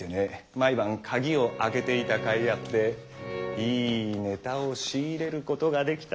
毎晩鍵を開けていたかいあっていいネタを仕入れることができた。